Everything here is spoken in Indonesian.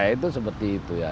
itu seperti itu ya